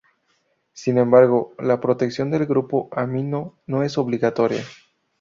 Sin embargo, la protección del grupo amino no es obligatoria.